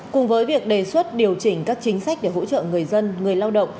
cùng với việc đề xuất điều chỉnh các chính sách để hỗ trợ người dân người lao động